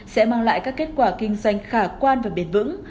sẽ mang lại các kết quả kinh doanh khả quan và bền vững